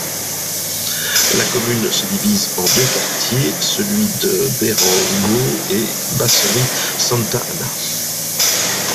La commune se divise en deux quartiers, celui de Berango et Baserri-Santa Ana.